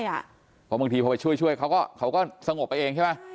เพราะบางทีพอไปช่วยเขาก็สงบไปเองใช่ไหม